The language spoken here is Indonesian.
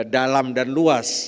dalam dan luas